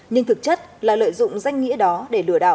nhưng thực chất là lợi dụng danh nghĩa đó để lừa đảo